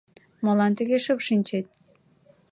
Молан тыге шып шинчет?